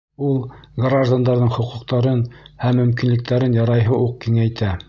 Ул граждандарҙың хоҡуҡтарын һәм мөмкинлектәрен ярайһы уҡ киңәйтә.